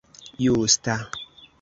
justa